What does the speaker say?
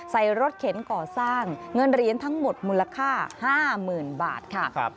ใส่รถเข็นก่อสร้างเงินเหรียญทั้งหมดมูลค่า๕๐๐๐บาทค่ะ